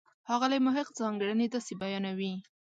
ښاغلی محق ځانګړنې داسې بیانوي.